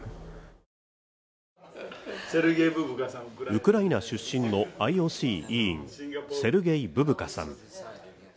ウクライナ出身のＩＯＣ委員セルゲイ・ブブカさん